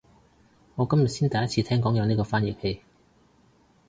我今日先第一次聽講有呢個翻譯器